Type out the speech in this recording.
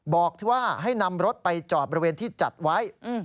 บอกที่ว่าให้นำรถไปจอดบริเวณที่จัดไว้